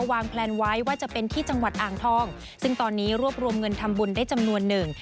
แพลนไว้ว่าจะเป็นที่จังหวัดอ่างทองซึ่งตอนนี้รวบรวมเงินทำบุญได้จำนวนหนึ่ง